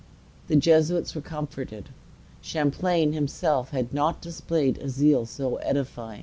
The Jesuits were comforted. Champlain himself had not displayed a zeal so edifying.